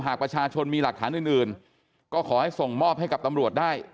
หากประชาชนมีหลักฐานอื่นก็ขอให้ส่งมอบให้กับตำรวจได้